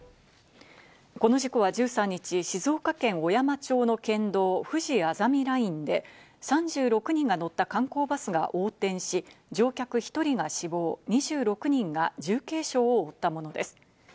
この事故は１３日、静岡県小山町の県道・ふじあざみラインで３６人が乗った観光バスが横転し、乗客１人が死亡、２６人が重軽傷を負ったものです。